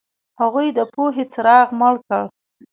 هغوی د پوهې څراغ مړ کړ.